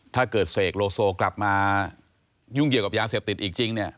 ถ้าเกิดเสกโลโซกลับมายุ่งเกี่ยวกับยาเสพติดอีกจริงเนี่ย